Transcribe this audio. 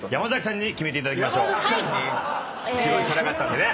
一番チャラかったんでね。